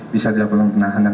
bisa adalah penahanan